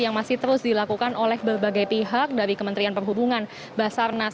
yang masih terus dilakukan oleh berbagai pihak dari kementerian perhubungan basarnas